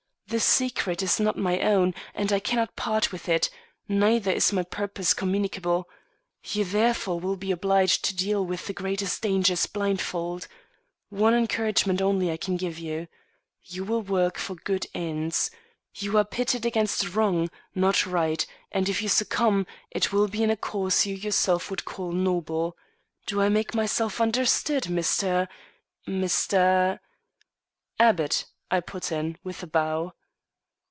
The secret is not my own and I cannot part with it; neither is my purpose communicable. You therefore will be obliged to deal with the greatest dangers blindfold. One encouragement only I can give you. You will work for good ends. You are pitted against wrong, not right, and if you succumb, it will be in a cause you yourself would call noble. Do I make myself understood, Mr. Mr. " "Abbott," I put in, with a bow.